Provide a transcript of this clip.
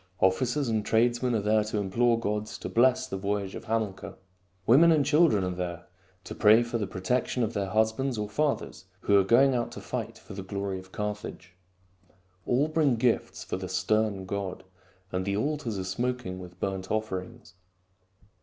Officers and tradesmen are there to implore the gods to bless the voyage of Hamilcar. Women and children are there to pray for the protection of their husbands or fathers who are going out to fight for the glory of Carthage. All bring gifts for the stern god, and the altars are smoking with burnt offerings.